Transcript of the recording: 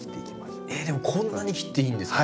えっでもこんなに切っていいんですか？